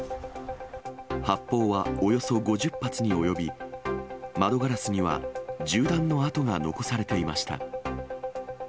発砲はおよそ５０発に及び、窓ガラスには、銃弾の痕が残されていました。